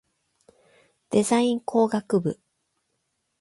デザイン工学部